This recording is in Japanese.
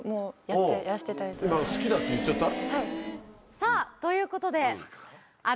さぁということで。